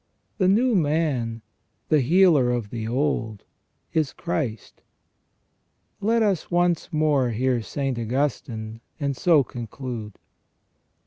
The new man, the healer of the old, is Christ. Let us once more hear St. Augustine, and so conclude.